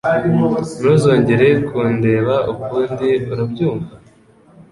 Ntuzongere kundeba ukundi ura byumva.